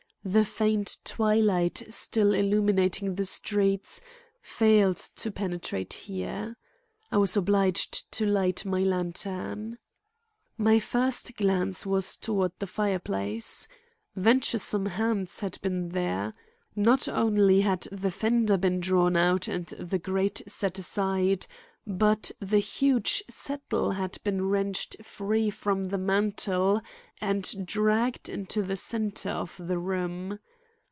The faint twilight still illuminating the streets failed to penetrate here. I was obliged to light my lantern. My first glance was toward the fireplace. Venturesome hands had been there. Not only had the fender been drawn out and the grate set aside, but the huge settle had been wrenched free from the mantel and dragged into the center of the room.